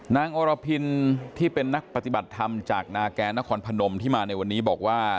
อรพินที่เป็นนักปฏิบัติธรรมจากนาแกนครพนมที่มาในวันนี้บอกว่า